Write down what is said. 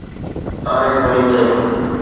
طارق وري چيو